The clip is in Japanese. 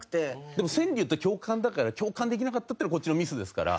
でも川柳って共感だから共感できなかったっていうのはこっちのミスですから。